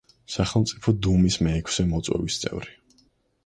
სახელმწიფო დუმის მეექვსე მოწვევის წევრი.